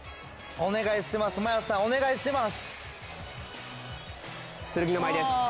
お願いします